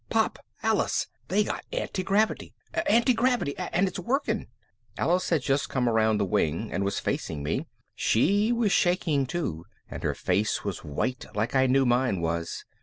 "Pop, Alice! They got antigravity! Antigravity and it's working!" Alice had just come around the wing and was facing me. She was shaking too and her face was white like I knew mine was.